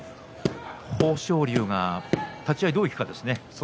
豊昇龍が立ち合いどういくかですね。